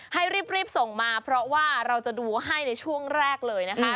ให้รีบส่งมาเพราะว่าเราจะดูให้ในช่วงแรกเลยนะคะ